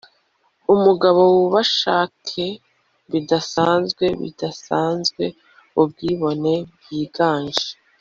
Umugabo wubushake budasanzwe bidasanzwe ubwibone bwiganje